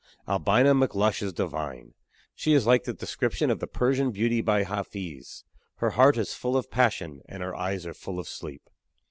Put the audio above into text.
Albina McLush is divine. She is like the description of the Persian beauty by Hafiz: "Her heart is full of passion and her eyes are full of sleep."